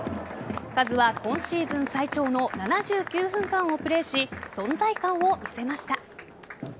カズは今シーズン最長の７９分間をプレーし存在感を見せました。